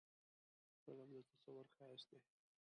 فلم د تصور ښایست دی